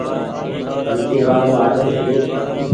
ويچي وآڙو آيو ڇي۔